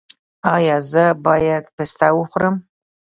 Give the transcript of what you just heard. ایا زه باید پسته وخورم؟